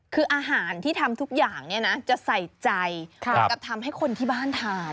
ว่าอาหารที่ทำทุกอย่างจะใส่ใจกับทำให้คนที่บ้านทาน